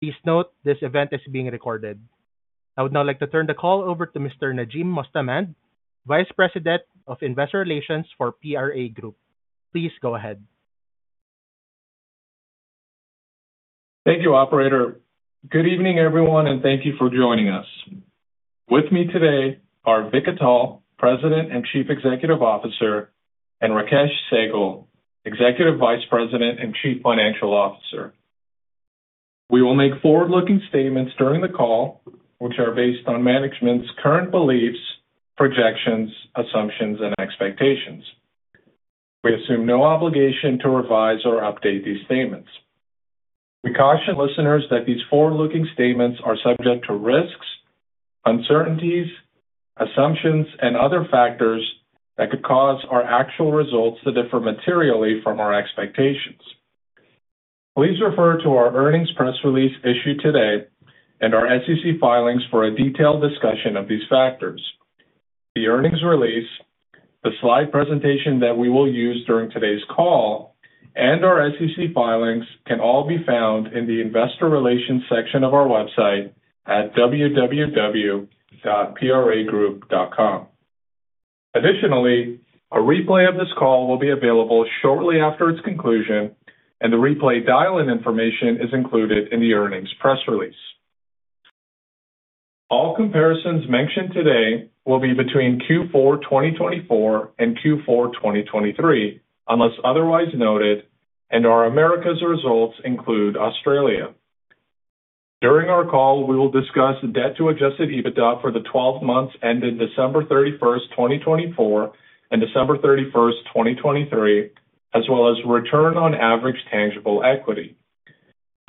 Please note, this event is being recorded. I would now like to turn the call over to Mr. Najim Mostamand, Vice President of Investor Relations for PRA Group. Please go ahead. Thank you, Operator. Good evening, everyone, and thank you for joining us. With me today are Vik Atal, President and Chief Executive Officer, and Rakesh Sehgal, Executive Vice President and Chief Financial Officer. We will make forward-looking statements during the call, which are based on management's current beliefs, projections, assumptions, and expectations. We assume no obligation to revise or update these statements. We caution listeners that these forward-looking statements are subject to risks, uncertainties, assumptions, and other factors that could cause our actual results to differ materially from our expectations. Please refer to our earnings press release issued today and our SEC filings for a detailed discussion of these factors. The earnings release, the slide presentation that we will use during today's call, and our SEC filings can all be found in the Investor Relations section of our website at www.pragroup.com. Additionally, a replay of this call will be available shortly after its conclusion, and the replay dial-in information is included in the earnings press release. All comparisons mentioned today will be between Q4 2024 and Q4 2023, unless otherwise noted, and our Americas results include Australia. During our call, we will discuss Debt-to-Adjusted EBITDA for the 12 months ended December 31st, 2024, and December 31st, 2023, as well as return on average tangible equity.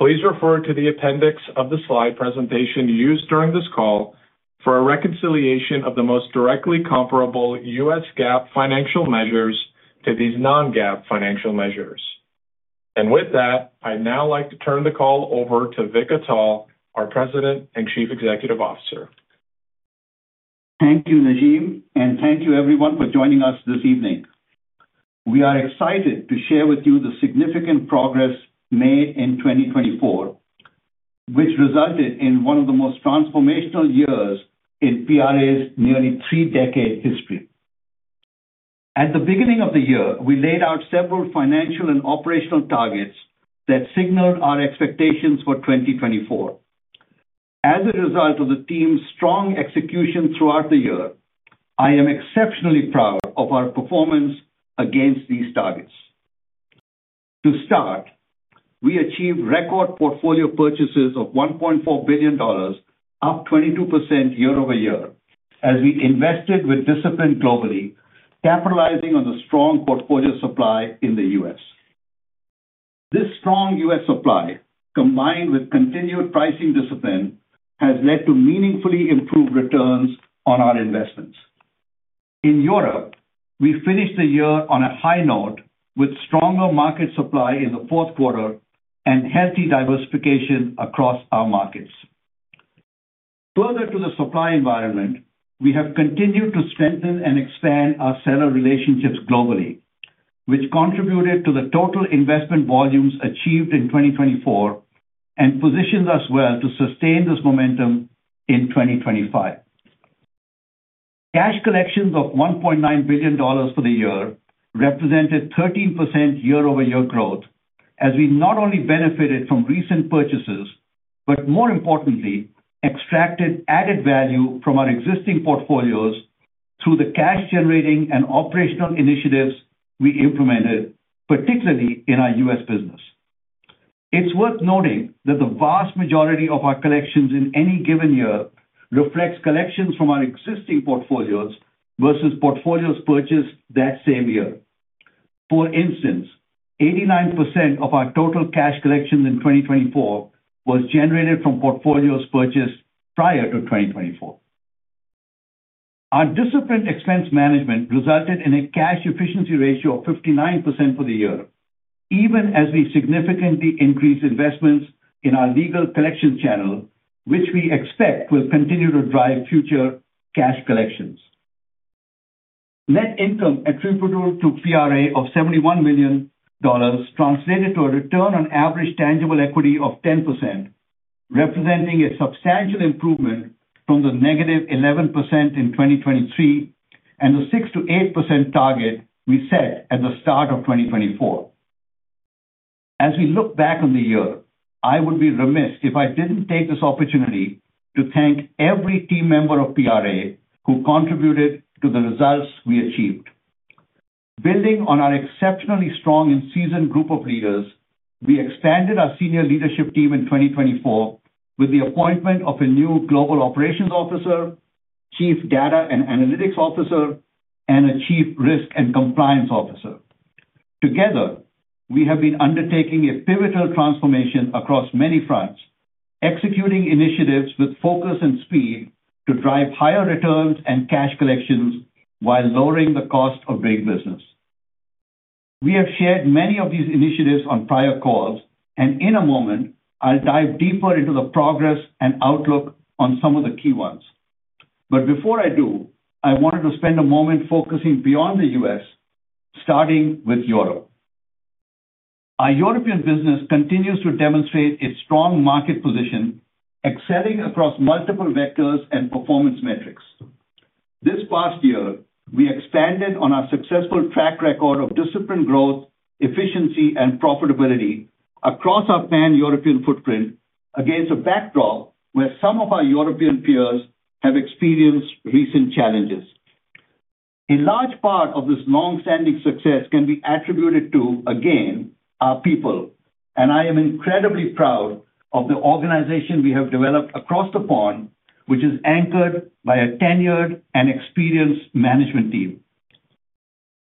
Please refer to the appendix of the slide presentation used during this call for a reconciliation of the most directly comparable U.S. GAAP financial measures to these non-GAAP financial measures. With that, I'd now like to turn the call over to Vik Atal, our President and Chief Executive Officer. Thank you, Najim, and thank you, everyone, for joining us this evening. We are excited to share with you the significant progress made in 2024, which resulted in one of the most transformational years in PRA's nearly three-decade history. At the beginning of the year, we laid out several financial and operational targets that signaled our expectations for 2024. As a result of the team's strong execution throughout the year, I am exceptionally proud of our performance against these targets. To start, we achieved record portfolio purchases of $1.4 billion, up 22% year-over-year, as we invested with discipline globally, capitalizing on the strong portfolio supply in the U.S. This strong U.S. supply, combined with continued pricing discipline, has led to meaningfully improved returns on our investments. In Europe, we finished the year on a high note, with stronger market supply in the fourth quarter and healthy diversification across our markets. Further to the supply environment, we have continued to strengthen and expand our seller relationships globally, which contributed to the total investment volumes achieved in 2024 and positions us well to sustain this momentum in 2025. Cash collections of $1.9 billion for the year represented 13% year-over-year growth, as we not only benefited from recent purchases, but more importantly, extracted added value from our existing portfolios through the cash-generating and operational initiatives we implemented, particularly in our U.S. business. It's worth noting that the vast majority of our collections in any given year reflects collections from our existing portfolios versus portfolios purchased that same year. For instance, 89% of our total cash collections in 2024 was generated from portfolios purchased prior to 2024. Our disciplined expense management resulted in a cash efficiency ratio of 59% for the year, even as we significantly increased investments in our legal collections channel, which we expect will continue to drive future cash collections. Net income attributable to PRA of $71 million translated to a return on average tangible equity of 10%, representing a substantial improvement from the -11% in 2023 and the 6%-8% target we set at the start of 2024. As we look back on the year, I would be remiss if I didn't take this opportunity to thank every team member of PRA who contributed to the results we achieved. Building on our exceptionally strong and seasoned group of leaders, we expanded our senior leadership team in 2024 with the appointment of a new Global Operations Officer, Chief Data and Analytics Officer, and a Chief Risk and Compliance Officer. Together, we have been undertaking a pivotal transformation across many fronts, executing initiatives with focus and speed to drive higher returns and cash collections while lowering the cost of big business. We have shared many of these initiatives on prior calls, and in a moment, I'll dive deeper into the progress and outlook on some of the key ones. But before I do, I wanted to spend a moment focusing beyond the U.S., starting with Europe. Our European business continues to demonstrate its strong market position, excelling across multiple vectors and performance metrics. This past year, we expanded on our successful track record of disciplined growth, efficiency, and profitability across our pan-European footprint against a backdrop where some of our European peers have experienced recent challenges. A large part of this longstanding success can be attributed to, again, our people, and I am incredibly proud of the organization we have developed across the pond, which is anchored by a tenured and experienced management team.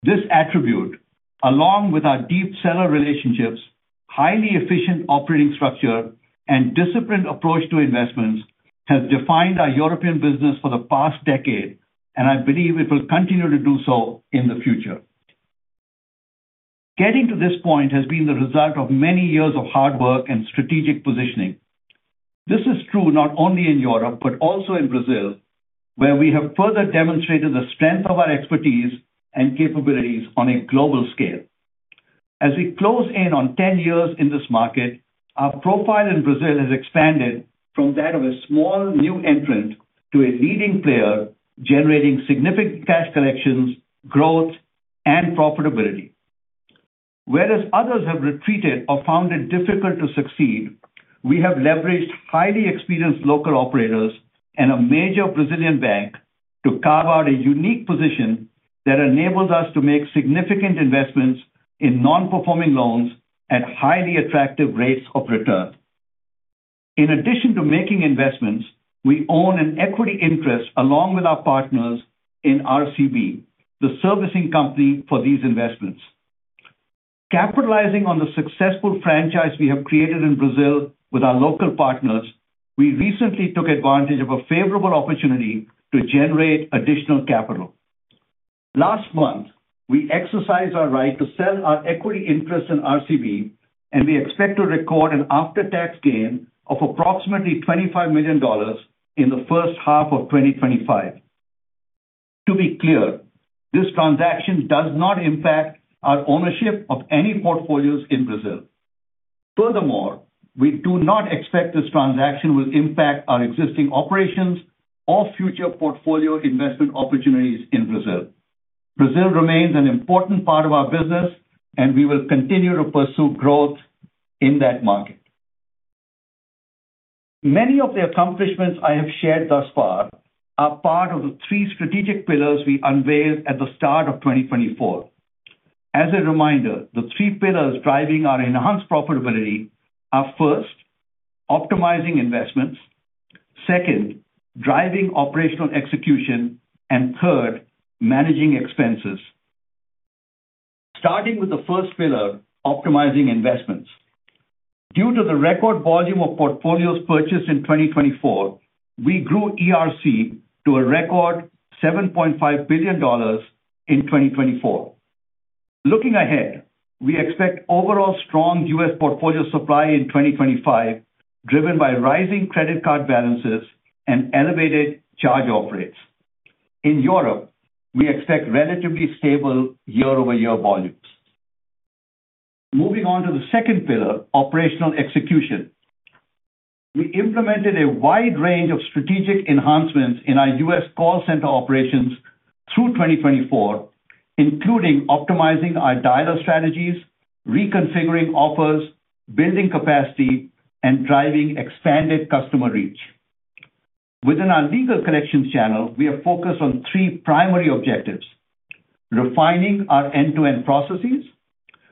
This attribute, along with our deep seller relationships, highly efficient operating structure, and disciplined approach to investments, has defined our European business for the past decade, and I believe it will continue to do so in the future. Getting to this point has been the result of many years of hard work and strategic positioning. This is true not only in Europe, but also in Brazil, where we have further demonstrated the strength of our expertise and capabilities on a global scale. As we close in on 10 years in this market, our profile in Brazil has expanded from that of a small new entrant to a leading player generating significant cash collections, growth, and profitability. Whereas others have retreated or found it difficult to succeed, we have leveraged highly experienced local operators and a major Brazilian bank to carve out a unique position that enables us to make significant investments in non-performing loans at highly attractive rates of return. In addition to making investments, we own an equity interest along with our partners in RCB, the servicing company for these investments. Capitalizing on the successful franchise we have created in Brazil with our local partners, we recently took advantage of a favorable opportunity to generate additional capital. Last month, we exercised our right to sell our equity interests in RCB, and we expect to record an after-tax gain of approximately $25 million in the first half of 2025. To be clear, this transaction does not impact our ownership of any portfolios in Brazil. Furthermore, we do not expect this transaction will impact our existing operations or future portfolio investment opportunities in Brazil. Brazil remains an important part of our business, and we will continue to pursue growth in that market. Many of the accomplishments I have shared thus far are part of the three strategic pillars we unveiled at the start of 2024. As a reminder, the three pillars driving our enhanced profitability are first, optimizing investments, second, driving operational execution, and third, managing expenses. Starting with the first pillar, optimizing investments. Due to the record volume of portfolios purchased in 2024, we grew ERC to a record $7.5 billion in 2024. Looking ahead, we expect overall strong U.S. portfolio supply in 2025, driven by rising credit card balances and elevated charge-off rates. In Europe, we expect relatively stable year-over-year volumes. Moving on to the second pillar, operational execution. We implemented a wide range of strategic enhancements in our U.S. call center operations through 2024, including optimizing our dialer strategies, reconfiguring offers, building capacity, and driving expanded customer reach. Within our legal collections channel, we have focused on three primary objectives: refining our end-to-end processes,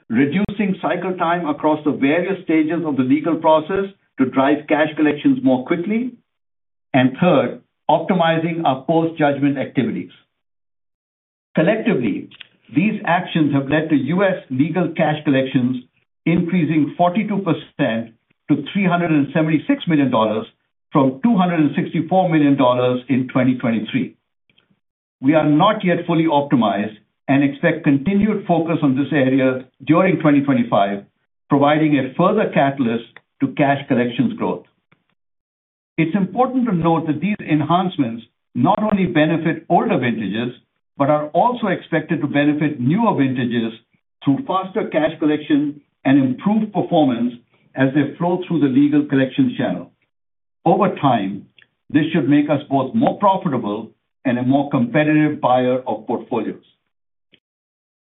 reducing cycle time across the various stages of the legal process to drive cash collections more quickly, and third, optimizing our post-judgment activities. Collectively, these actions have led to U.S. legal cash collections increasing 42% to $376 million from $264 million in 2023. We are not yet fully optimized and expect continued focus on this area during 2025, providing a further catalyst to cash collections growth. It's important to note that these enhancements not only benefit older vintages, but are also expected to benefit newer vintages through faster cash collection and improved performance as they flow through the legal collections channel. Over time, this should make us both more profitable and a more competitive buyer of portfolios.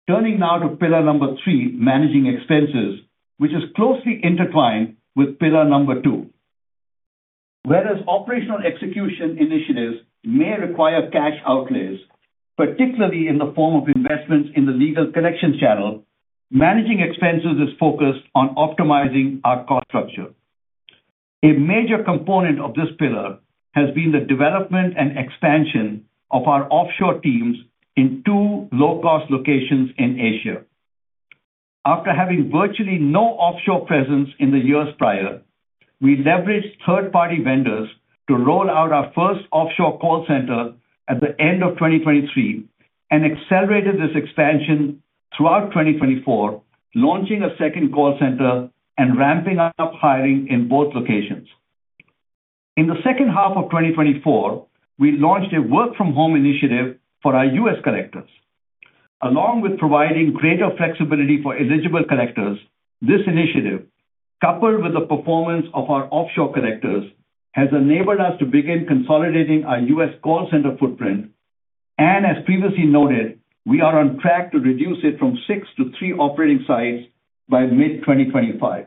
Turning now to pillar number three, managing expenses, which is closely intertwined with pillar number two. Whereas operational execution initiatives may require cash outlays, particularly in the form of investments in the legal collections channel, managing expenses is focused on optimizing our cost structure. A major component of this pillar has been the development and expansion of our offshore teams in two low-cost locations in Asia. After having virtually no offshore presence in the years prior, we leveraged third-party vendors to roll out our first offshore call center at the end of 2023 and accelerated this expansion throughout 2024, launching a second call center and ramping up hiring in both locations. In the second half of 2024, we launched a work-from-home initiative for our U.S. collectors. Along with providing greater flexibility for eligible collectors, this initiative, coupled with the performance of our offshore collectors, has enabled us to begin consolidating our U.S. call center footprint, and as previously noted, we are on track to reduce it from six to three operating sites by mid-2025.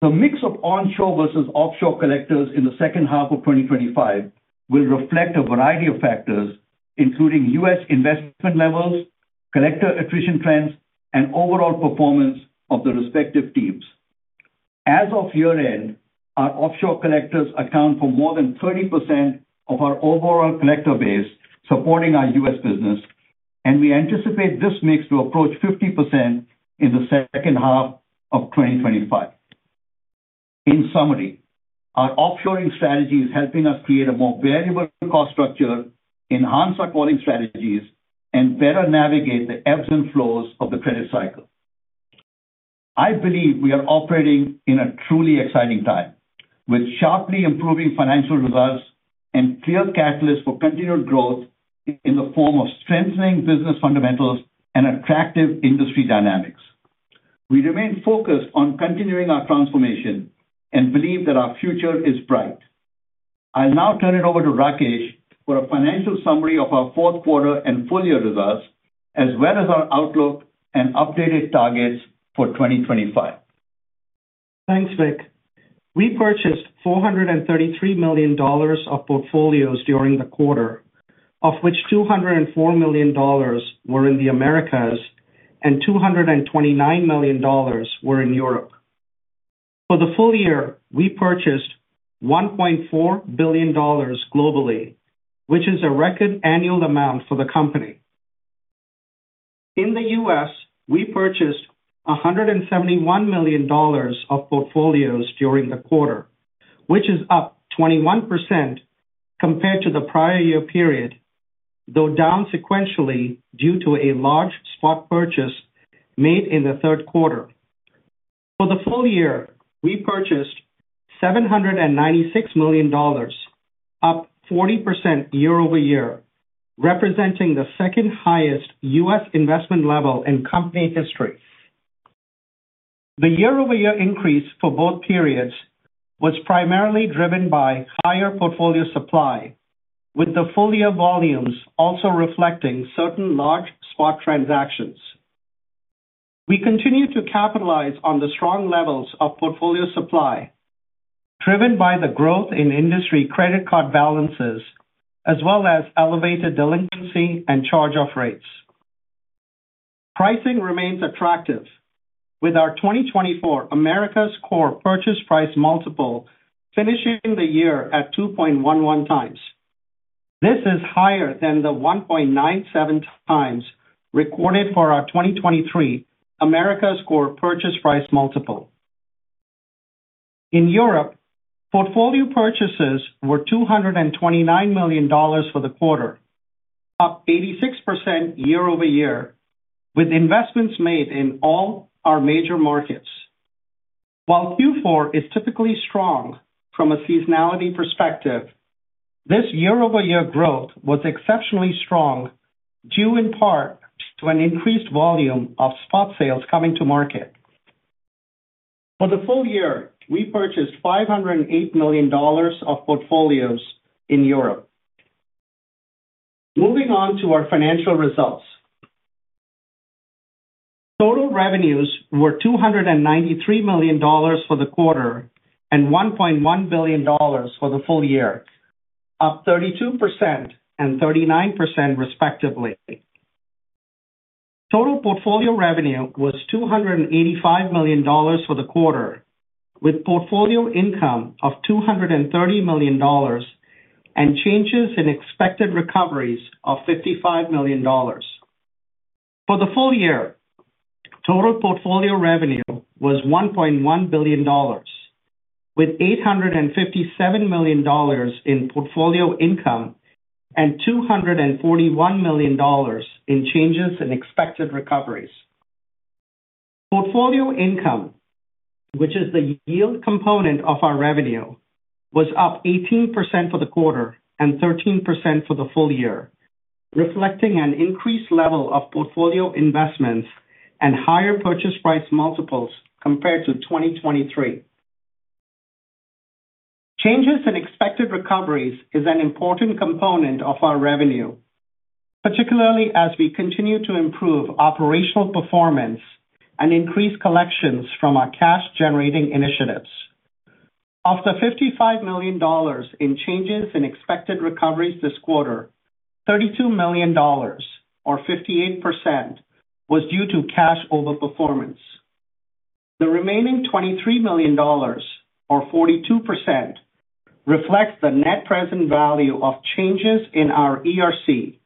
The mix of onshore versus offshore collectors in the second half of 2025 will reflect a variety of factors, including U.S. investment levels, collector attrition trends, and overall performance of the respective teams. As of year-end, our offshore collectors account for more than 30% of our overall collector base supporting our U.S. business, and we anticipate this mix to approach 50% in the second half of 2025. In summary, our offshoring strategy is helping us create a more variable cost structure, enhance our calling strategies, and better navigate the ebbs and flows of the credit cycle. I believe we are operating in a truly exciting time, with sharply improving financial results and clear catalysts for continued growth in the form of strengthening business fundamentals and attractive industry dynamics. We remain focused on continuing our transformation and believe that our future is bright. I'll now turn it over to Rakesh for a financial summary of our fourth quarter and full-year results, as well as our outlook and updated targets for 2025. Thanks, Vik. We purchased $433 million of portfolios during the quarter, of which $204 million were in the Americas and $229 million were in Europe. For the full year, we purchased $1.4 billion globally, which is a record annual amount for the company. In the U.S., we purchased $171 million of portfolios during the quarter, which is up 21% compared to the prior year period, though down sequentially due to a large spot purchase made in the third quarter. For the full year, we purchased $796 million, up 40% year-over-year, representing the second highest U.S. investment level in company history. The year-over-year increase for both periods was primarily driven by higher portfolio supply, with the full-year volumes also reflecting certain large spot transactions. We continue to capitalize on the strong levels of portfolio supply, driven by the growth in industry credit card balances, as well as elevated delinquency and charge-off rates. Pricing remains attractive, with our 2024 Americas Core purchase price multiple finishing the year at 2.11x. This is higher than the 1.97x recorded for our 2023 Americas Core purchase price multiple. In Europe, portfolio purchases were $229 million for the quarter, up 86% year-over-year, with investments made in all our major markets. While Q4 is typically strong from a seasonality perspective, this year-over-year growth was exceptionally strong due in part to an increased volume of spot sales coming to market. For the full year, we purchased $508 million of portfolios in Europe. Moving on to our financial results. Total revenues were $293 million for the quarter and $1.1 billion for the full year, up 32% and 39% respectively. Total portfolio revenue was $285 million for the quarter, with portfolio income of $230 million and changes in expected recoveries of $55 million. For the full year, total portfolio revenue was $1.1 billion, with $857 million in portfolio income and $241 million in changes in expected recoveries. Portfolio income, which is the yield component of our revenue, was up 18% for the quarter and 13% for the full year, reflecting an increased level of portfolio investments and higher purchase price multiples compared to 2023. changes in expected recoveries is an important component of our revenue, particularly as we continue to improve operational performance and increase collections from our cash-generating initiatives. Of the $55 million in changes in expected recoveries this quarter, $32 million, or 58%, was due to cash overperformance. The remaining $23 million, or 42%, reflects the net present value of changes in our ERC,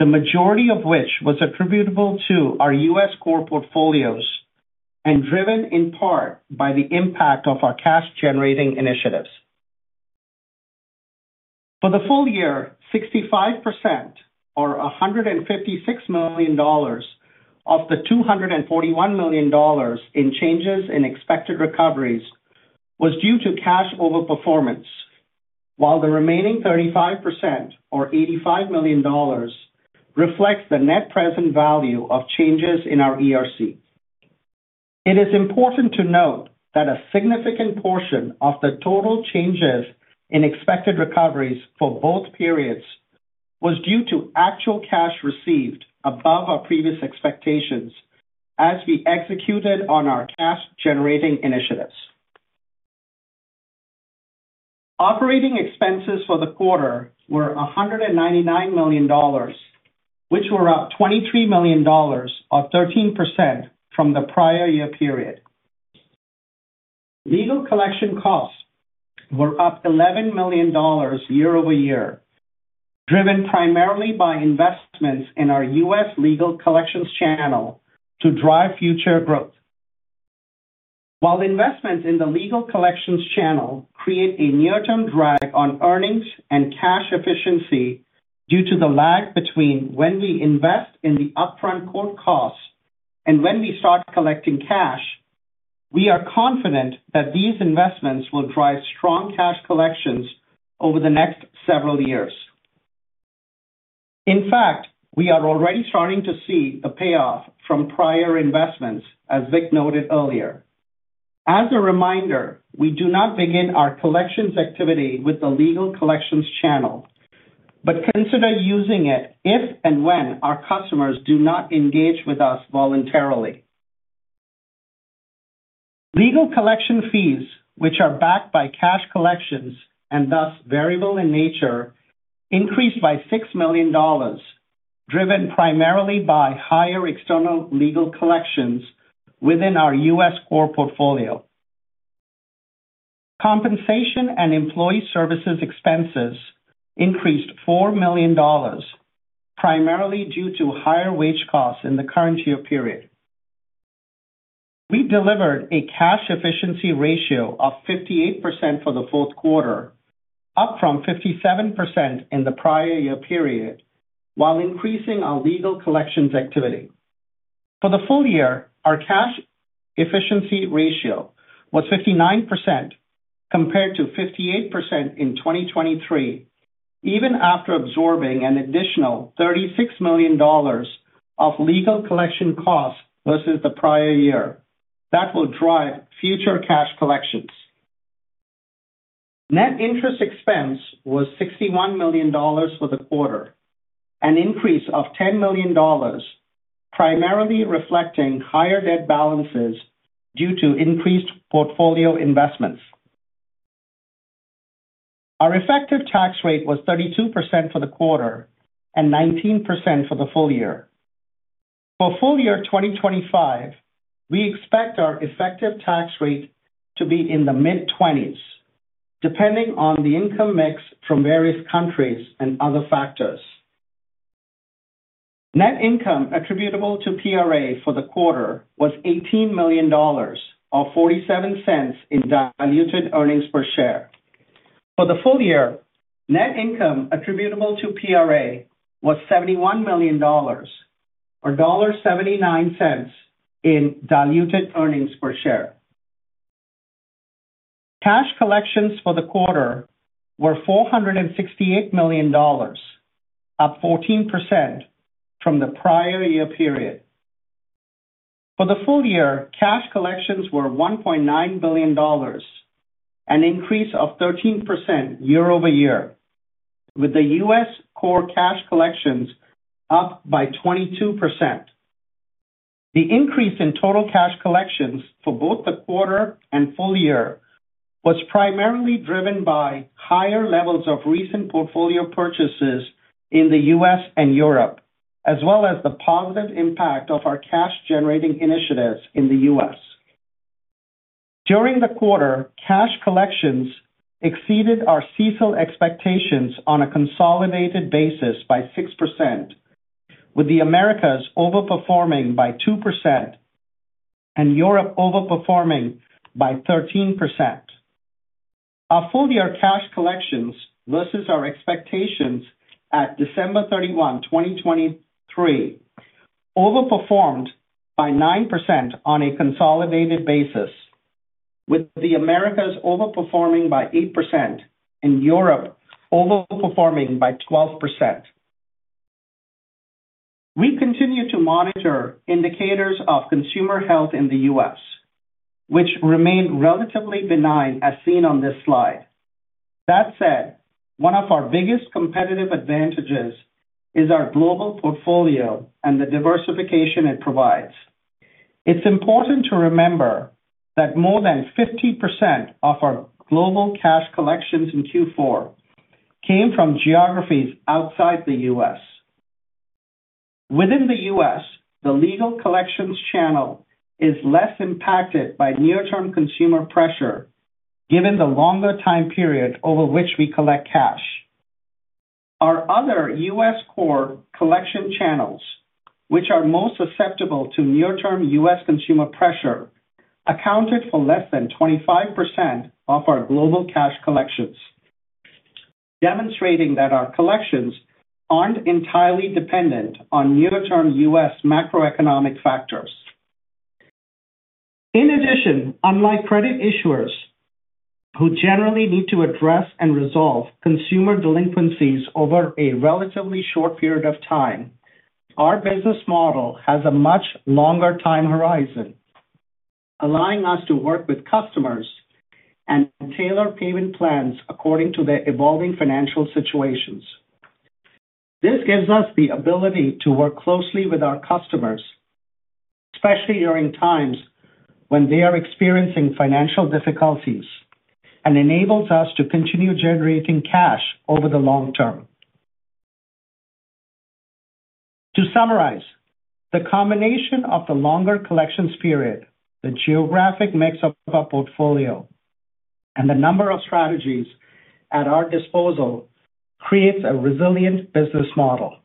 the majority of which was attributable to our U.S. Core portfolios and driven in part by the impact of our cash-generating initiatives. For the full year, 65%, or $156 million of the $241 million in changes in expected recoveries was due to cash overperformance, while the remaining 35%, or $85 million, reflects the net present value of changes in our ERC. It is important to note that a significant portion of the total changes in expected recoveries for both periods was due to actual cash received above our previous expectations as we executed on our cash-generating initiatives. Operating expenses for the quarter were $199 million, which were up $23 million, or 13% from the prior year period. Legal collection costs were up $11 million year-over-year, driven primarily by investments in our U.S. legal collections channel to drive future growth. While investments in the legal collections channel create a near-term drag on earnings and cash efficiency due to the lag between when we invest in the upfront court costs and when we start collecting cash, we are confident that these investments will drive strong cash collections over the next several years. In fact, we are already starting to see the payoff from prior investments, as Vik noted earlier. As a reminder, we do not begin our collections activity with the legal collections channel, but consider using it if and when our customers do not engage with us voluntarily. Legal collection fees, which are backed by cash collections and thus variable in nature, increased by $6 million, driven primarily by higher external legal collections within our U.S. Core portfolio. Compensation and employee services expenses increased $4 million, primarily due to higher wage costs in the current year period. We delivered a cash efficiency ratio of 58% for the fourth quarter, up from 57% in the prior year period, while increasing our legal collections activity. For the full year, our cash efficiency ratio was 59% compared to 58% in 2023, even after absorbing an additional $36 million of legal collection costs versus the prior year that will drive future cash collections. Net interest expense was $61 million for the quarter, an increase of $10 million, primarily reflecting higher debt balances due to increased portfolio investments. Our effective tax rate was 32% for the quarter and 19% for the full year. For full year 2025, we expect our effective tax rate to be in the mid-20s, depending on the income mix from various countries and other factors. Net income attributable to PRA for the quarter was $18 million, or $0.47 in diluted earnings per share. For the full year, net income attributable to PRA was $71 million, or $1.79 in diluted earnings per share. Cash collections for the quarter were $468 million, up 14% from the prior year period. For the full year, cash collections were $1.9 billion, an increase of 13% year-over-year, with the U.S. Core cash collections up by 22%. The increase in total cash collections for both the quarter and full year was primarily driven by higher levels of recent portfolio purchases in the U.S. and Europe, as well as the positive impact of our cash-generating initiatives in the U.S. During the quarter, cash collections exceeded our CECL expectations on a consolidated basis by 6%, with the Americas overperforming by 2% and Europe overperforming by 13%. Our full-year cash collections versus our expectations at December 31, 2023, overperformed by 9% on a consolidated basis, with the Americas overperforming by 8% and Europe overperforming by 12%. We continue to monitor indicators of consumer health in the U.S., which remained relatively benign as seen on this slide. That said, one of our biggest competitive advantages is our global portfolio and the diversification it provides. It's important to remember that more than 50% of our global cash collections in Q4 came from geographies outside the U.S. Within the U.S., the legal collections channel is less impacted by near-term consumer pressure, given the longer time period over which we collect cash. Our other U.S. Core collection channels, which are most susceptible to near-term U.S. consumer pressure, accounted for less than 25% of our global cash collections, demonstrating that our collections aren't entirely dependent on near-term U.S. macroeconomic factors. In addition, unlike credit issuers, who generally need to address and resolve consumer delinquencies over a relatively short period of time, our business model has a much longer time horizon, allowing us to work with customers and tailor payment plans according to their evolving financial situations. This gives us the ability to work closely with our customers, especially duringx when they are experiencing financial difficulties, and enables us to continue generating cash over the long term. To summarize, the combination of the longer collections period, the geographic mix of our portfolio, and the number of strategies at our disposal creates a resilient business model.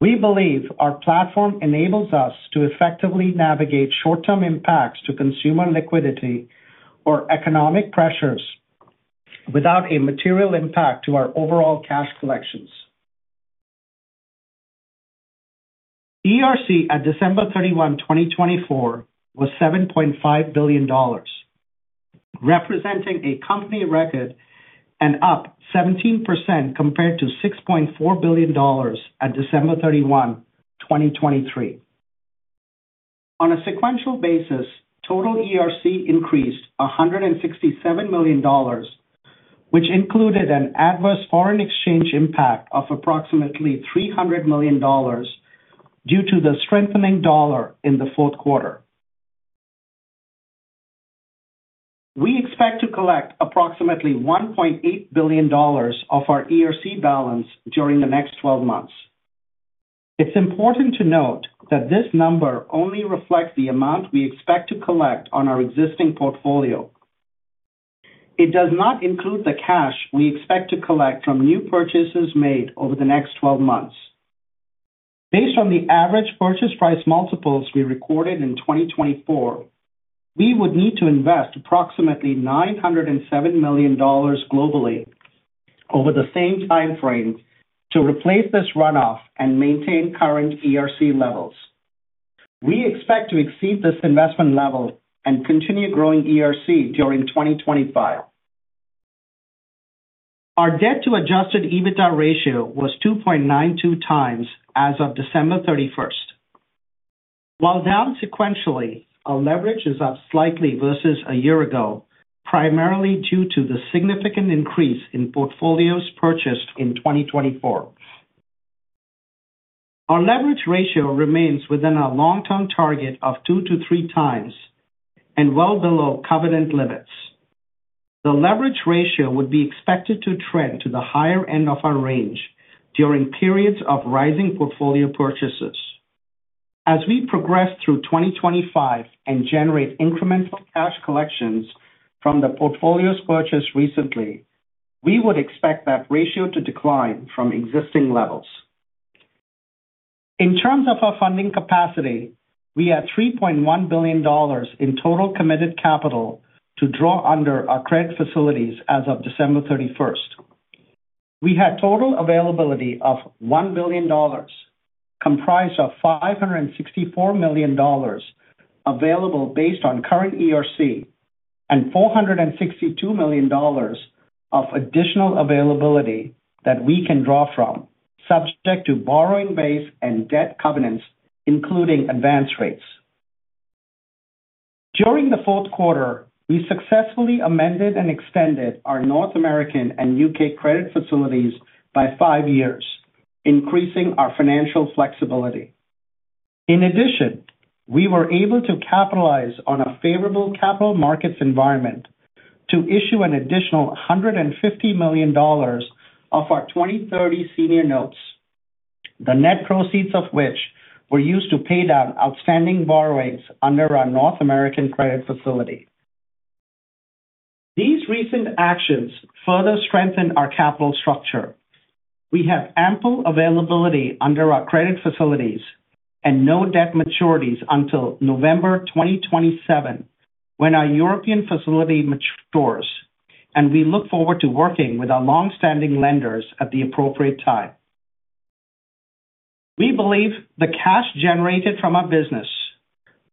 We believe our platform enables us to effectively navigate short-term impacts to consumer liquidity or economic pressures without a material impact to our overall cash collections. ERC at December 31, 2024, was $7.5 billion, representing a company record and up 17% compared to $6.4 billion at December 31, 2023. On a sequential basis, total ERC increased $167 million, which included an adverse foreign exchange impact of approximately $300 million due to the strengthening dollar in the fourth quarter. We expect to collect approximately $1.8 billion of our ERC balance during the next 12 months. It's important to note that this number only reflects the amount we expect to collect on our existing portfolio. It does not include the cash we expect to collect from new purchases made over the next 12 months. Based on the average purchase price multiples we recorded in 2024, we would need to invest approximately $907 million globally over the same timeframe to replace this runoff and maintain current ERC levels. We expect to exceed this investment level and continue growing ERC during 2025. Our Debt-to-Adjusted EBITDA ratio was 2.92x as of December 31. While down sequentially, our leverage is up slightly versus a year ago, primarily due to the significant increase in portfolios purchased in 2024. Our leverage ratio remains within our long-term target of two to three times and well below covenant limits. The leverage ratio would be expected to trend to the higher end of our range during periods of rising portfolio purchases. As we progress through 2025 and generate incremental cash collections from the portfolios purchased recently, we would expect that ratio to decline from existing levels. In terms of our funding capacity, we had $3.1 billion in total committed capital to draw under our credit facilities as of December 31. We had total availability of $1 billion, comprised of $564 million available based on current ERC, and $462 million of additional availability that we can draw from, subject to borrowing base and debt covenants, including advance rates. During the fourth quarter, we successfully amended and extended our North American and U.K. credit facilities by five years, increasing our financial flexibility. In addition, we were able to capitalize on a favorable capital markets environment to issue an additional $150 million of our 2030 senior notes, the net proceeds of which were used to pay down outstanding borrowings under our North American credit facility. These recent actions further strengthen our capital structure. We have ample availability under our credit facilities and no debt maturities until November 2027, when our European facility matures, and we look forward to working with our longstanding lenders at the appropriate time. We believe the cash generated from our business,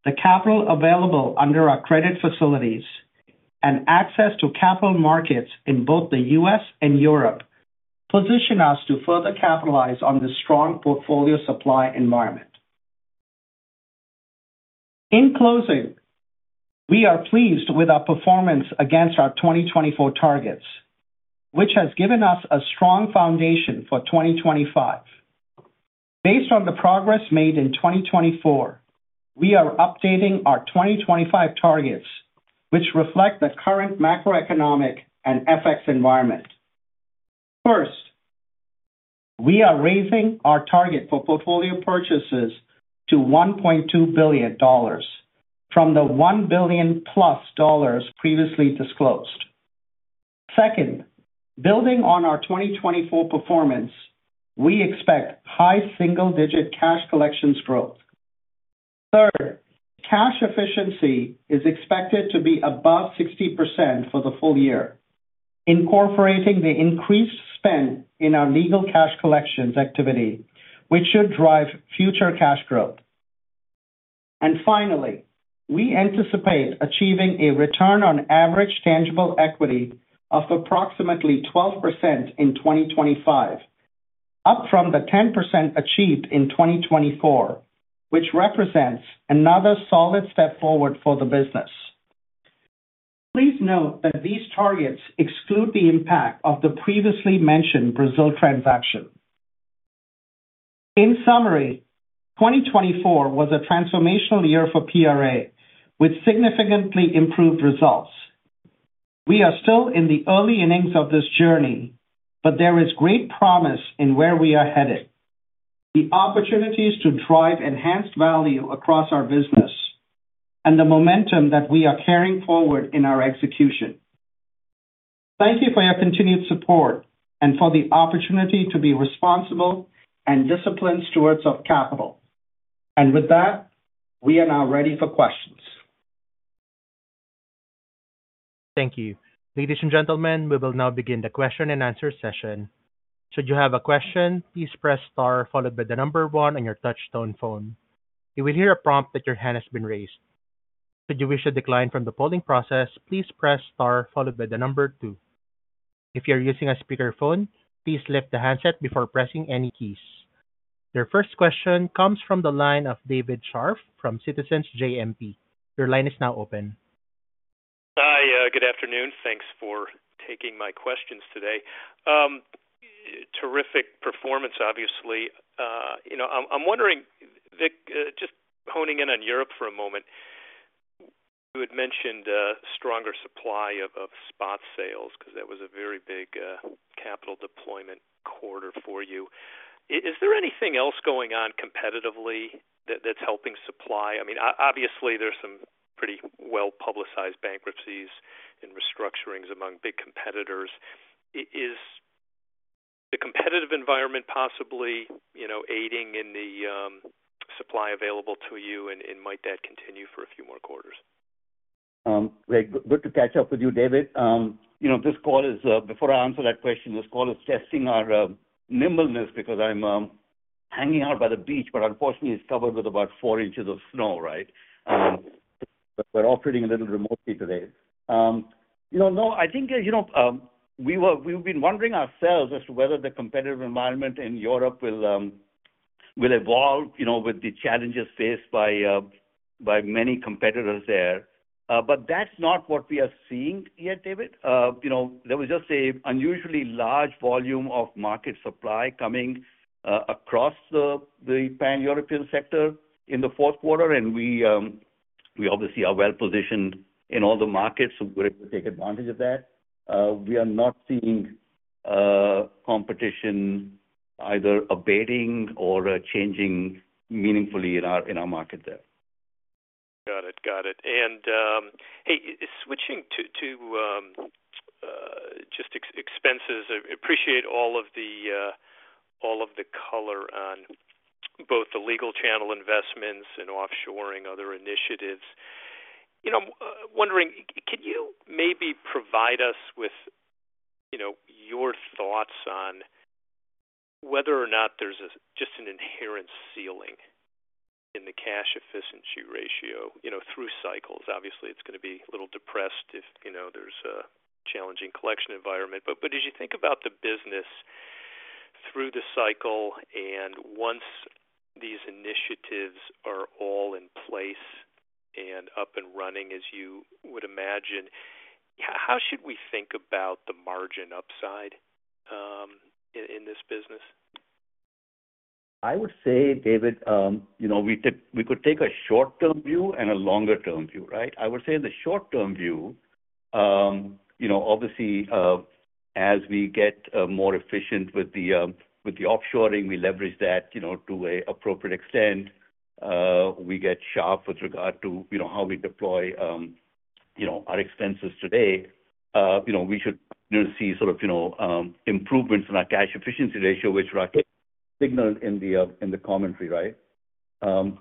the capital available under our credit facilities, and access to capital markets in both the U.S. and Europe position us to further capitalize on the strong portfolio supply environment. In closing, we are pleased with our performance against our 2024 targets, which has given us a strong foundation for 2025. Based on the progress made in 2024, we are updating our 2025 targets, which reflect the current macroeconomic and FX environment. First, we are raising our target for portfolio purchases to $1.2 billion, from the $1 billion-plus dollars previously disclosed. Second, building on our 2024 performance, we expect high single-digit cash collections growth. Third, cash efficiency is expected to be above 60% for the full year, incorporating the increased spend in our legal cash collections activity, which should drive future cash growth. Finally, we anticipate achieving a return on average tangible equity of approximately 12% in 2025, up from the 10% achieved in 2024, which represents another solid step forward for the business. Please note that these targets exclude the impact of the previously mentioned Brazil transaction. In summary, 2024 was a transformational year for PRA, with significantly improved results. We are still in the early innings of this journey, but there is great promise in where we are headed, the opportunities to drive enhanced value across our business, and the momentum that we are carrying forward in our execution. Thank you for your continued support and for the opportunity to be responsible and disciplined stewards of capital. With that, we are now ready for questions. Thank you. Ladies and gentlemen, we will now begin the question-and-answer session. Should you have a question, please press star followed by the number one on your touch-tone phone. You will hear a prompt that your hand has been raised. Should you wish to decline from the polling process, please press star followed by the number two. If you are using a speakerphone, please lift the handset before pressing any keys. Your first question comes from the line of David Scharf from Citizens JMP. Your line is now open. Hi, good afternoon. Thanks for taking my questions today. Terrific performance, obviously. You know, I'm wondering, just honing in on Europe for a moment, you had mentioned stronger supply of spot sales because that was a very big capital deployment quarter for you. Is there anything else going on competitively that's helping supply? I mean, obviously, there are some pretty well-publicized bankruptcies and restructurings among big competitors. Is the competitive environment possibly, you know, aiding in the supply available to you, and might that continue for a few more quarters? Great. Good to catch up with you, David. You know, this call is, before I answer that question, this call is testing our nimbleness because I'm hanging out by the beach, but unfortunately, it's covered with about four inches of snow, right? We're operating a little remotely today. You know, no, I think, you know, we've been wondering ourselves as to whether the competitive environment in Europe will evolve, you know, with the challenges faced by many competitors there. But that's not what we are seeing yet, David. You know, there was just an unusually large volume of market supply coming across the pan-European sector in the fourth quarter. and we obviously are well-positioned in all the markets, so we're able to take advantage of that. We are not seeing competition either abating or changing meaningfully in our market there. Got it. Got it. And hey, switching to just expenses, I appreciate all of the color on both the legal channel investments and offshoring, other initiatives. You know, I'm wondering, can you maybe provide us with, you know, your thoughts on whether or not there's just an inherent ceiling in the cash efficiency ratio, you know, through cycles? Obviously, it's going to be a little depressed if, you know, there's a challenging collection environment. But as you think about the business through the cycle and once these initiatives are all in place and up and running, as you would imagine, how should we think about the margin upside in this business? I would say, David, you know, we could take a short-term view and a longer-term view, right? I would say in the short-term view, you know, obviously, as we get more efficient with the offshoring, we leverage that, you know, to an appropriate extent. We get sharp with regard to, you know, how we deploy, you know, our expenses today. You know, we should see sort of, you know, improvements in our cash efficiency ratio, which Rakesh signaled in the commentary, right? In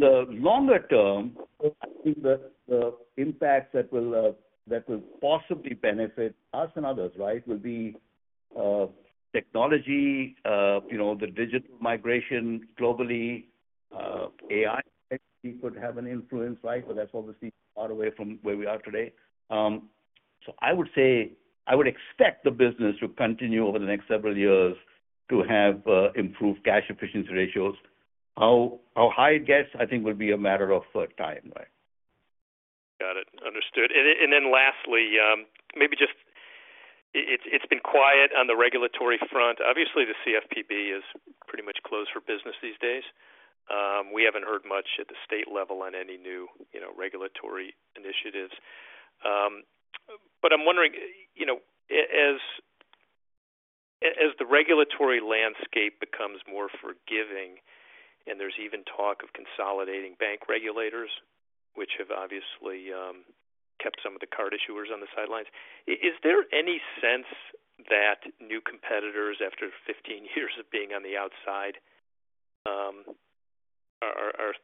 the longer term, I think the impacts that will possibly benefit us and others, right, will be technology, you know, the digital migration globally. AI could have an influence, right? But that's obviously far away from where we are today. So I would say I would expect the business to continue over the next several years to have improved cash efficiency ratios. How high it gets, I think, will be a matter of time, right? Got it. Understood. And then lastly, maybe just, it's been quiet on the regulatory front. Obviously, the CFPB is pretty much closed for business these days. We haven't heard much at the state level on any new, you know, regulatory initiatives. But I'm wondering, you know, as the regulatory landscape becomes more forgiving and there's even talk of consolidating bank regulators, which have obviously kept some of the card issuers on the sidelines, is there any sense that new competitors, after 15 years of being on the outside, are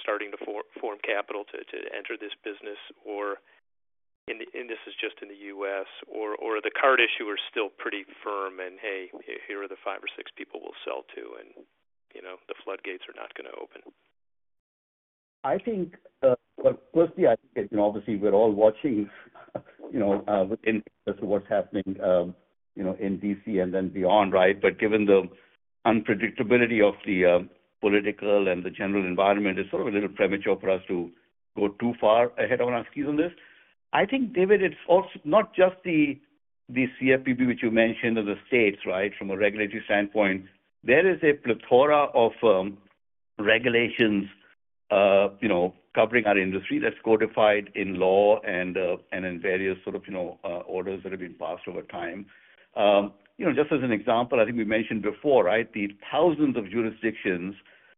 starting to form capital to enter this business? Or, and this is just in the U.S., or are the card issuers still pretty firm and, hey, here are the five or six people we'll sell to, and, you know, the floodgates are not going to open? I think, firstly, I think, you know, obviously, we're all watching, you know, with what's happening, you know, in D.C. and then beyond, right? But given the unpredictability of the political and the general environment, it's sort of a little premature for us to go too far ahead on our skis on this. I think, David, it's also not just the CFPB, which you mentioned, and the states, right? From a regulatory standpoint, there is a plethora of regulations, you know, covering our industry that's codified in law and in various sort of, you know, orders that have been passed over time. You know, just as an example, I think we mentioned before, right, the thousands of jurisdictions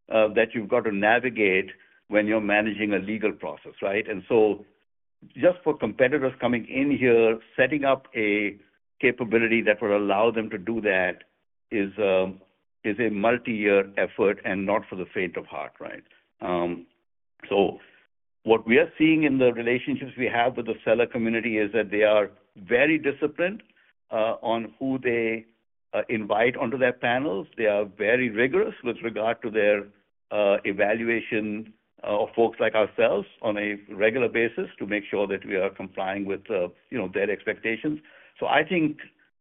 that you've got to navigate when you're managing a legal process, right? And so just for competitors coming in here, setting up a capability that will allow them to do that is a multi-year effort and not for the faint of heart, right? So what we are seeing in the relationships we have with the seller community is that they are very disciplined on who they invite onto their panels. They are very rigorous with regard to their evaluation of folks like ourselves on a regular basis to make sure that we are complying with, you know, their expectations. So I think,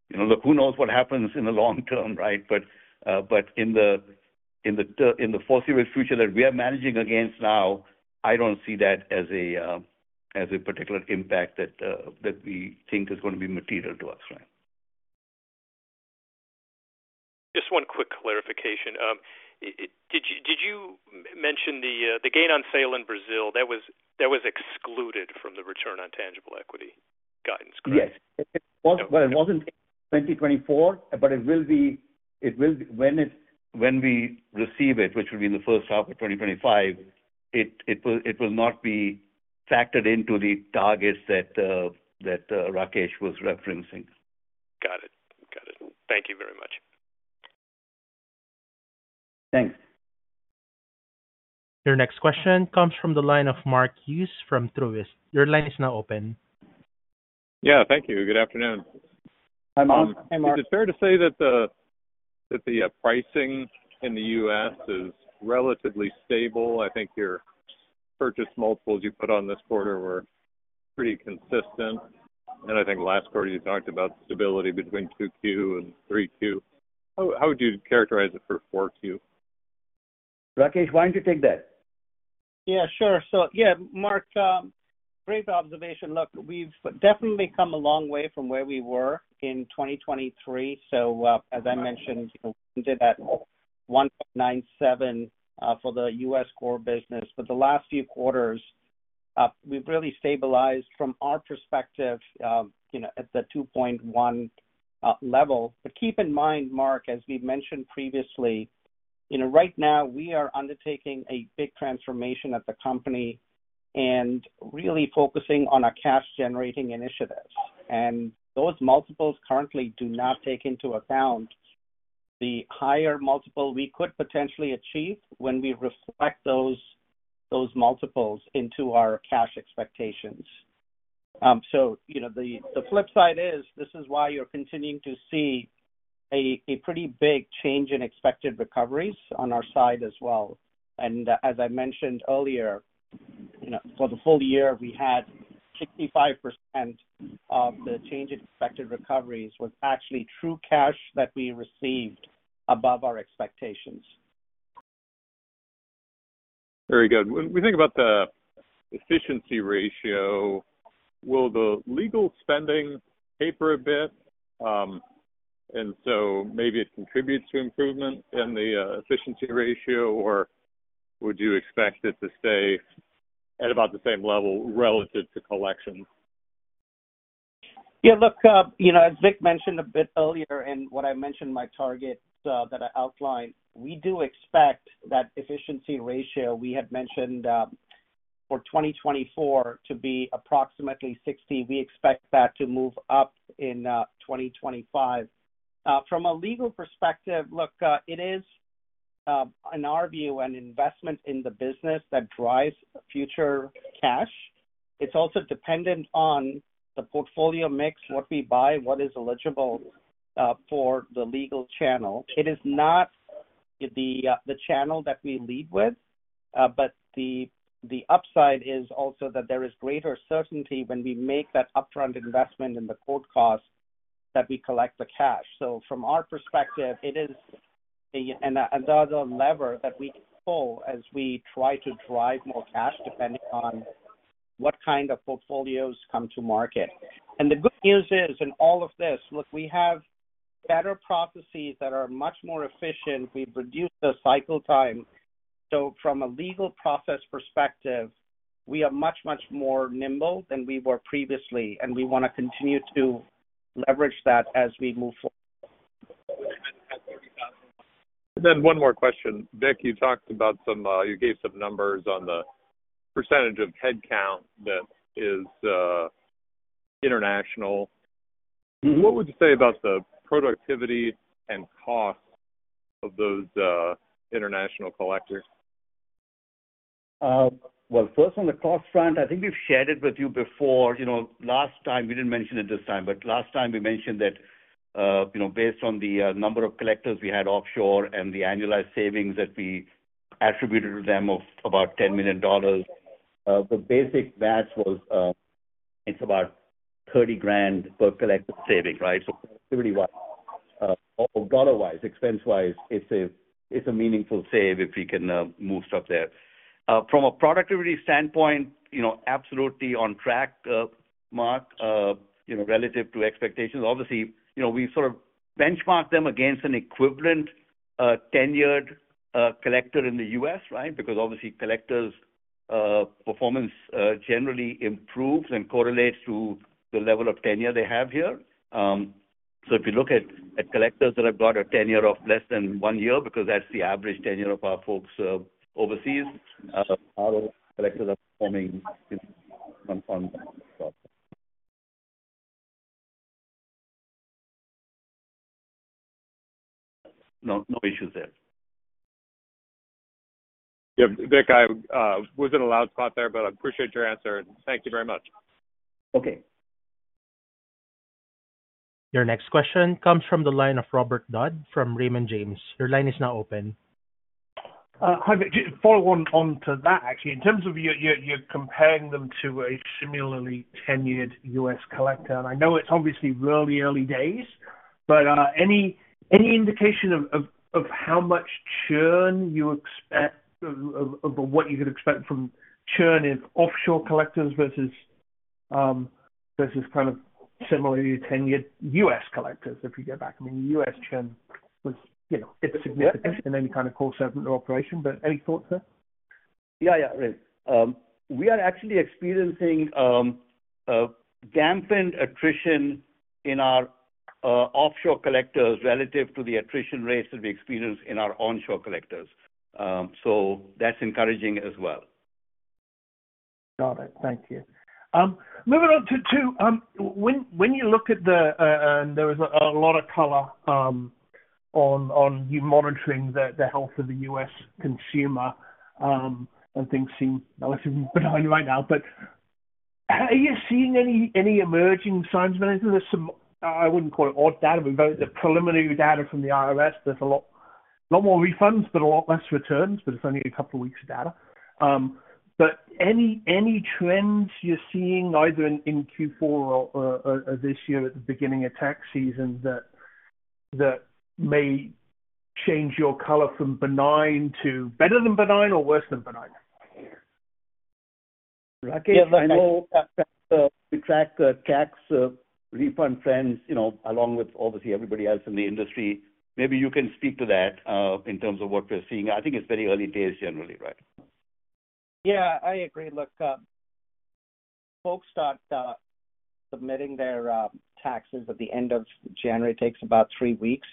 you know, who knows what happens in the long term, right? But in the foreseeable future that we are managing against now, I don't see that as a particular impact that we think is going to be material to us, right? Just one quick clarification. Did you mention the gain on sale in Brazil? That was excluded from the return on tangible equity guidance, correct? Yes. Well, it wasn't 2024, but it will be when we receive it, which will be in the first half of 2025. It will not be factored into the targets that Rakesh was referencing. Got it. Got it. Thank you very much. Thanks. Your next question comes from the line of Mark Hughes from Truist. Your line is now open. Yeah. Thank you. Good afternoon. Hi, Mark. Is it fair to say that the pricing in the U.S. is relatively stable? I think your purchase multiples you put on this quarter were pretty consistent. And I think last quarter you talked about stability between 2Q and 3Q. How would you characterize it for 4Q? Rakesh, why don't you take that? Yeah, sure. So, yeah, Mark, great observation. Look, we've definitely come a long way from where we were in 2023, so as I mentioned, we did that 1.97 for the U.S. Core business, but the last few quarters, we've really stabilized from our perspective, you know, at the 2.1 level, but keep in mind, Mark, as we've mentioned previously, you know, right now we are undertaking a big transformation at the company and really focusing on our cash-generating initiatives, and those multiples currently do not take into account the higher multiple we could potentially achieve when we reflect those multiples into our cash expectations, so you know, the flip side is this is why you're continuing to see a pretty big change in expected recoveries on our side as well. As I mentioned earlier, you know, for the full year, we had 65% of the change in expected recoveries was actually true cash that we received above our expectations. Very good. When we think about the efficiency ratio, will the legal spending taper a bit? And so maybe it contributes to improvement in the efficiency ratio, or would you expect it to stay at about the same level relative to collections? Yeah, look, you know, as Vic mentioned a bit earlier and what I mentioned my target that I outlined, we do expect that efficiency ratio we had mentioned for 2024 to be approximately 60%. We expect that to move up in 2025. From a legal perspective, look, it is, in our view, an investment in the business that drives future cash. It's also dependent on the portfolio mix, what we buy, what is eligible for the legal channel. It is not the channel that we lead with, but the upside is also that there is greater certainty when we make that upfront investment in the court costs that we collect the cash. So, from our perspective, it is another lever that we pull as we try to drive more cash depending on what kind of portfolios come to market. And the good news is, in all of this, look, we have better processes that are much more efficient. We've reduced the cycle time. So, from a legal process perspective, we are much, much more nimble than we were previously, and we want to continue to leverage that as we move forward. Then one more question. Vik, you talked about some, you gave some numbers on the percentage of headcount that is international. What would you say about the productivity and cost of those international collectors? First, on the cost front, I think we've shared it with you before. You know, last time, we didn't mention it this time, but last time we mentioned that, you know, based on the number of collectors we had offshore and the annualized savings that we attributed to them of about $10 million, the basic match was it's about 30 grand per collector saving, right? So, productivity-wise, dollar-wise, expense-wise, it's a meaningful save if we can move stuff there. From a productivity standpoint, you know, absolutely on track, Mark, you know, relative to expectations. Obviously, you know, we sort of benchmark them against an equivalent tenured collector in the U.S., right? Because obviously, collectors' performance generally improves and correlates to the level of tenure they have here. So, if you look at collectors that have got a tenure of less than one year, because that's the average tenure of our folks overseas, our collectors are performing on top. No issues there. Yeah. Vik, I wasn't allowed to talk there, but I appreciate your answer. Thank you very much. Okay. Your next question comes from the line of Robert Dodd from Raymond James. Your line is now open. Hi, Vik. Just to follow on to that, actually, in terms of you're comparing them to a similarly tenured U.S. collector, and I know it's obviously really early days, but any indication of how much churn you expect of what you could expect from churn in offshore collectors versus kind of similarly tenured U.S. collectors? If you go back, I mean, the U.S. churn was, you know, it's significant in any kind of course of operation. But any thoughts there? Yeah, yeah, Vik. We are actually experiencing dampened attrition in our offshore collectors relative to the attrition rates that we experience in our onshore collectors. So, that's encouraging as well. Got it. Thank you. Moving on to two. When you look at the, and there was a lot of color on you monitoring the health of the U.S. consumer, and things seem relatively benign right now, but are you seeing any emerging signs? I wouldn't call it odd data, but the preliminary data from the IRS, there's a lot more refunds, but a lot less returns, but it's only a couple of weeks of data. But any trends you're seeing either in Q4 or this year at the beginning of tax season that may change your color from benign to better than benign or worse than benign? Rakesh? Yeah, no, we track tax refund trends, you know, along with obviously everybody else in the industry. Maybe you can speak to that in terms of what we're seeing. I think it's very early days generally, right? Yeah, I agree. Look, folks start submitting their taxes at the end of January. It takes about three weeks,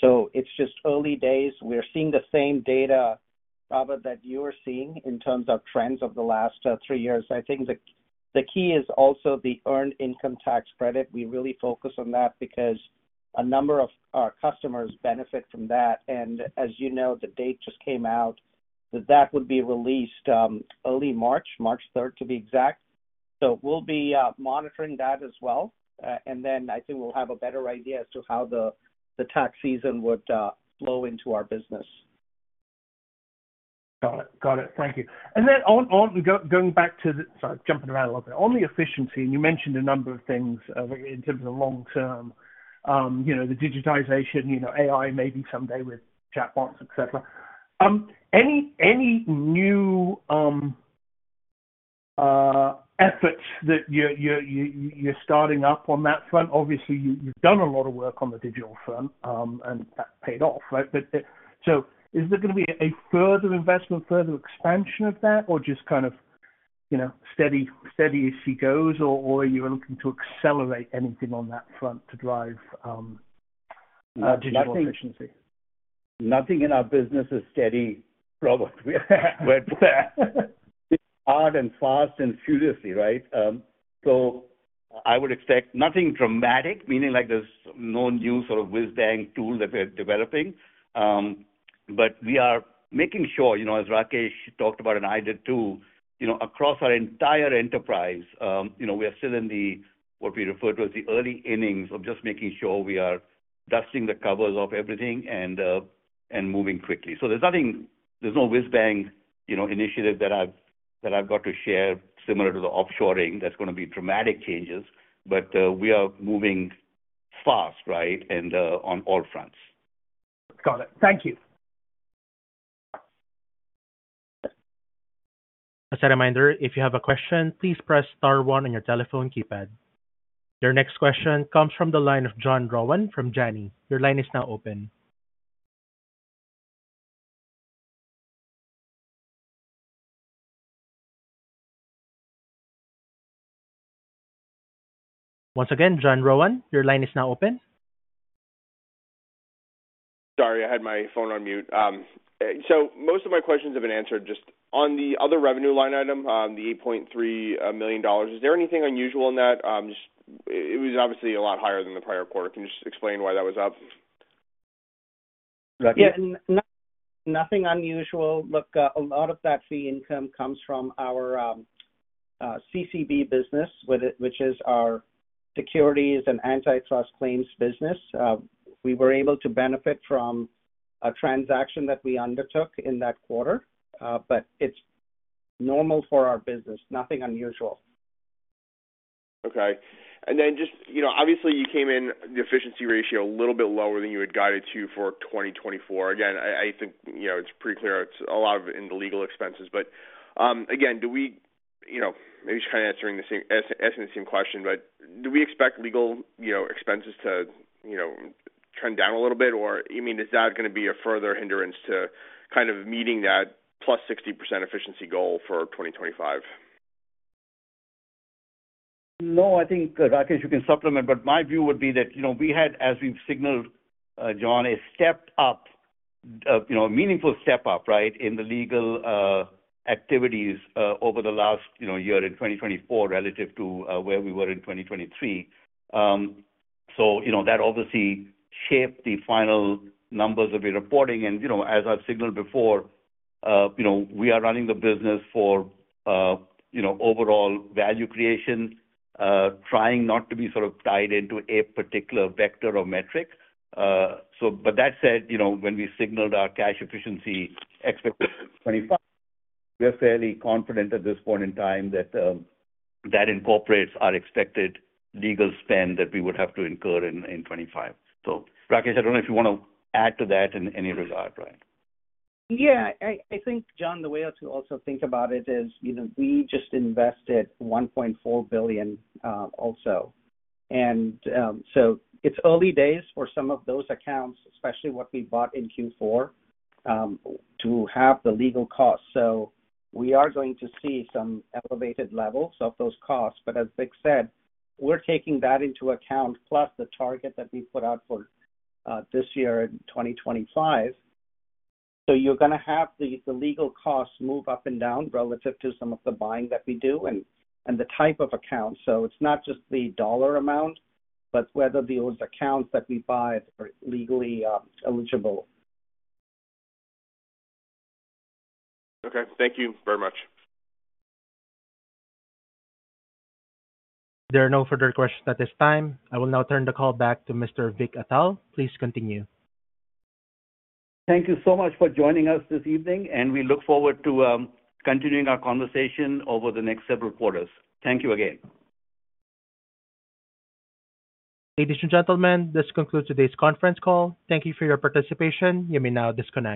so it's just early days. We're seeing the same data, Robert, that you are seeing in terms of trends of the last three years. The key is also the Earned Income Tax Credit. we really focus on that because a number of our customers benefit from that, and as you know, the date just came out that that would be released early March, March 3rd, to be exact, so we'll be monitoring that as well. I think we'll have a better idea as to how the tax season would flow into our business. Got it. Got it. Thank you. Going back to the, sorry, jumping around a little bit, on the efficiency, and you mentioned a number of things in terms of long term, you know, the digitization, you know, AI maybe someday with chatbots, etc. Any new efforts that you're starting up on that front? Obviously, you've done a lot of work on the digital front, and that paid off, right? But so, is there going to be a further investment, further expansion of that, or just kind of, you know, steady as she goes, or are you looking to accelerate anything on that front to drive digital efficiency? Nothing in our business is steady, Robert. It's hard and fast and furiously, right? So, I would expect nothing dramatic, meaning like there's no new sort of whiz-bang tool that we're developing. But we are making sure, you know, as Rakesh talked about, and I did too, you know, across our entire enterprise, you know, we are still in the, what we refer to as the early innings of just making sure we are dusting the covers off everything and moving quickly. So, there's nothing, there's no whiz-bang, you know, initiative that I've got to share similar to the offshoring that's going to be dramatic changes, but we are moving fast, right, and on all fronts. Got it. Thank you. As a reminder, if you have a question, please press star one on your telephone keypad. Your next question comes from the line of John Rowan from Janney. Your line is now open. Once again, John Rowan, your line is now open. Sorry, I had my phone on mute. So, most of my questions have been answered. Just on the other revenue line item, the $8.3 million, is there anything unusual in that? It was obviously a lot higher than the prior quarter. Can you just explain why that was up? Yeah, nothing unusual. Look, a lot of that fee income comes from our CCB business, which is our securities and antitrust claims business. We were able to benefit from a transaction that we undertook in that quarter, but it's normal for our business. Nothing unusual. Okay. And then just, you know, obviously you came in the efficiency ratio a little bit lower than you had guided to for 2024. Again, I think, you know, it's pretty clear it's a lot of it in the legal expenses. But again, do we, you know, maybe just kind of asking the same question, but do we expect legal, you know, expenses to, you know, trend down a little bit? Or you mean is that going to be a further hindrance to kind of meeting that +60% efficiency goal for 2025? No, I think, Rakesh, you can supplement, but my view would be that, you know, we had, as we've signaled, John, a step up, you know, a meaningful step up, right, in the legal activities over the last, you know, year in 2024 relative to where we were in 2023, so you know, that obviously shaped the final numbers that we're reporting, and you know, as I've signaled before, you know, we are running the business for, you know, overall value creation, trying not to be sort of tied into a particular vector or metric. So, but that said, you know, when we signaled our cash efficiency expected in 2025, we're fairly confident at this point in time that that incorporates our expected legal spend that we would have to incur in 2025. So, Rakesh, I don't know if you want to add to that in any regard, right? Yeah, I think, John, the way to also think about it is, you know, we just invested $1.4 billion also. And so, it's early days for some of those accounts, especially what we bought in Q4, to have the legal costs. So, we are going to see some elevated levels of those costs. But as Vik said, we're taking that into account, plus the target that we put out for this year in 2025. So, you're going to have the legal costs move up and down relative to some of the buying that we do and the type of accounts. So, it's not just the dollar amount, but whether those accounts that we buy are legally eligible. Okay. Thank you very much. There are no further questions at this time. I will now turn the call back to Mr. Vik Atal. Please continue. Thank you so much for joining us this evening, and we look forward to continuing our conversation over the next several quarters. Thank you again. Ladies and gentlemen, this concludes today's conference call. Thank you for your participation. You may now disconnect.